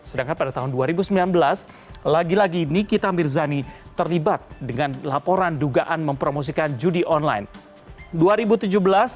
sedangkan pada tahun dua ribu sembilan belas lagi lagi nikita mirzani terlibat dengan laporan dugaan mempromosikan judi online